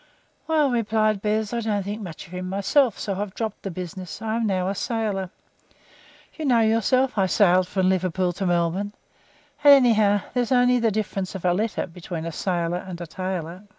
"Well," replied Bez, "I don't think much of him myself, so I have dropped the business. I am now a sailor. You know yourself I sailed from Liverpool to Melbourne, and, anyhow, there's only the difference of a letter between a tailor and a sailor."